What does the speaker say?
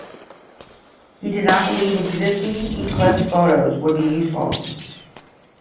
He did not believe existing eclipse photos would be useful.